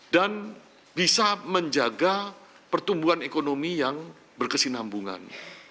dan bisa menjaga pertumbuhan ekonomi yang berkesinambungan